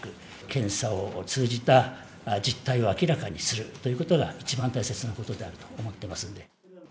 検査を通じた実態を明らかにするということが、一番大切なことであると思ってますので。